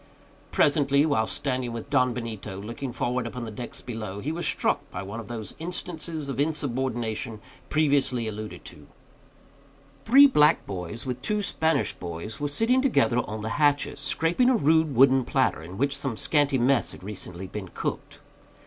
Presently, while standing with his host, looking forward upon the decks below, he was struck by one of those instances of insubordination previously alluded to. Three black boys, with two Spanish boys, were sitting together on the hatches, scraping a rude wooden platter, in which some scanty mess had recently been cooked.